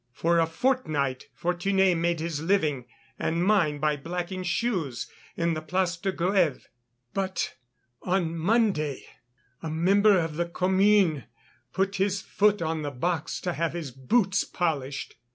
For a fortnight Fortuné made his living and mine by blacking shoes in the Place de Grève. "But on Monday a Member of the Commune put his foot on the box to have his boots polished.